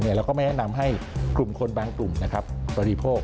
เราก็ไม่แนะนำให้กลุ่มคนบางกลุ่มบริโภค